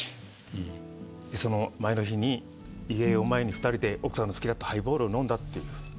その前の日に遺影を前に２人で奥さんが好きだったハイボールを飲んだっていう。